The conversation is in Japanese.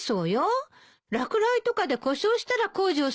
落雷とかで故障したら工事をするらしいけど。